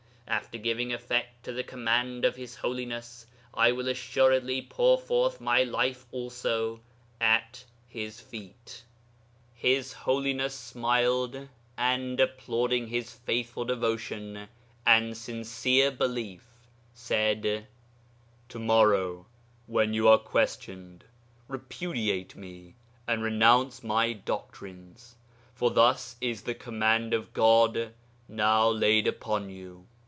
After giving effect to the command of His Holiness, I will assuredly pour forth my life also at His feet." 'His Holiness smiled, and, applauding his faithful devotion and sincere belief, said, "To morrow, when you are questioned, repudiate me, and renounce my doctrines, for thus is the command of God now laid upon you...."